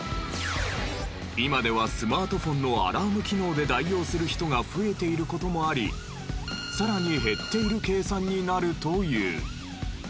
今ではスマートフォンのアラーム機能で代用する人が増えている事もありさらに減っている計算になるという。